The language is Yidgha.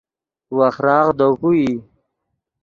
وخراغ دے کو ای